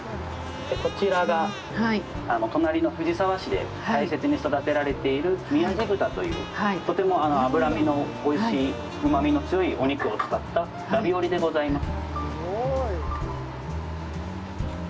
こちらが隣の藤沢市で大切に育てられているみやじ豚というとても脂身のおいしいうまみの強いお肉を使ったラビオリでございます。